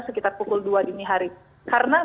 sekitar pukul dua dini hari karena